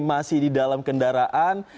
masih di dalam kendaraan